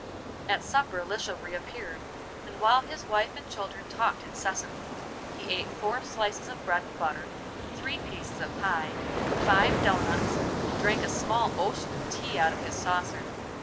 At supper Lisha reappeared, and while his wife and children talked incessantly, he ate four slices of bread and butter, three pieces of pie, five dough nuts, and drank a small ocean of tea out of his saucer.